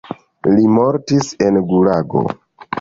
Li mortis en gulago.